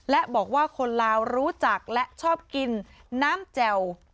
และบอกว่าคนลาวรู้จักและชอบกินน้ำแจ่ว